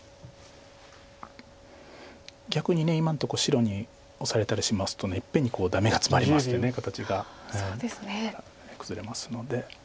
逆に今のとこ白にオサれたりしますといっぺんにダメがツマりまして形が崩れますので。